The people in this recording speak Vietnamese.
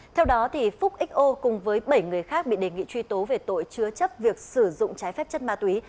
theo đó phúc xo cùng với bảy người khác bị đề nghị truy tố về tội chứa chấp việc sử dụng trái phép chất ma túy